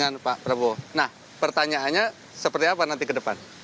nah pertanyaannya seperti apa nanti kedepan